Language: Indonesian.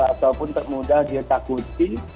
ataupun mudah dia takuti